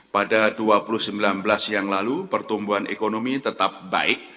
pada dua ribu sembilan belas yang lalu pertumbuhan ekonomi tetap baik